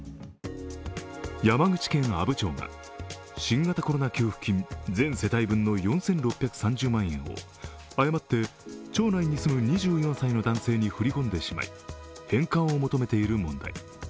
山口県阿武町が新型コロナ給付金、全世帯分の４６３０万円を誤って町内に住む２４歳の男性に振り込んでしまい返還を求めている問題。